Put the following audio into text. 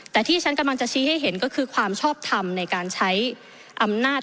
แต่ที่ฉันกำลังจะชี้ให้เห็นก็คือความชอบทำในการใช้อำนาจ